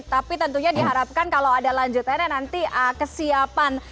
tapi tentunya diharapkan kalau ada lanjutannya nanti kesiapan